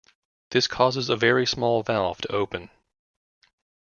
This causes a very small valve to open.